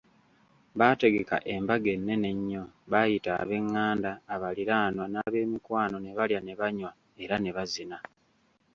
Baategeka embaga ennene enyo, baayita ab'enganda, abaliraanwa n'abemikwano ne balya ne banywa era ne bazina.